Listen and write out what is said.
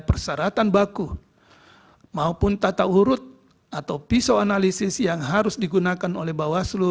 persyaratan baku maupun tata urut atau pisau analisis yang harus digunakan oleh bawaslu